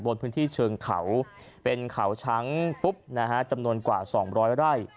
บนพื้นที่เชิงเขาเป็นเขาช้างฟุบนะฮะจำนวนกว่า๒๐๐ไร่